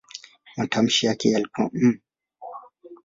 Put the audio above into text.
Matamshi yake yalikuwa "m".